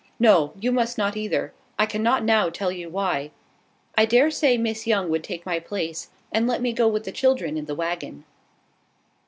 No; you must not either. I cannot now tell you why. I dare say Miss Young would take my place, and let me go with the children in the waggon."